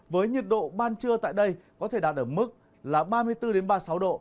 với nhiệt độ ban trưa tại đây có thể đạt ở mức là ba mươi bốn ba mươi sáu độ